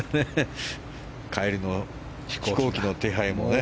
帰りの飛行機の手配もね。